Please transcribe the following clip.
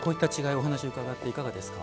お話を伺っていかがですか。